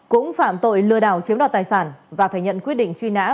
cũng phạm tội lừa đảo chiếm đoạt tài sản và phải nhận quyết định truy nã